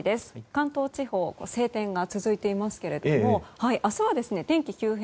関東地方晴天が続いていますけれども明日は天気急変。